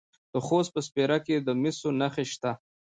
د خوست په سپیره کې د مسو نښې شته.